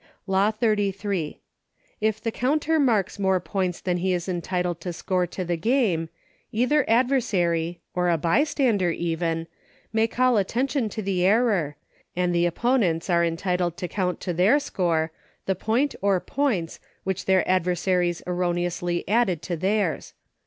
Law XXXIII. If the^ counter marks more points than he is entitled to score to the game, either adver sary — or a bystander even— may call attention to the error, and the opponents are entitled to count to their score, the point, or points, which their adversaries erroneously added to theirs.